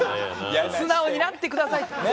素直になってくださいと。